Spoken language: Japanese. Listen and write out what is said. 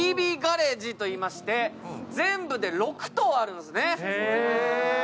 ガレージといいまして、全部で６棟あるんですね。